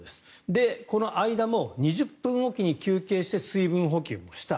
で、この間も２０分おきに休憩して水分補給をした。